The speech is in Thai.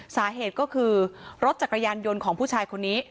สาเหตุก็คือรถจักรยานยนต์ของผู้ชายคนนี้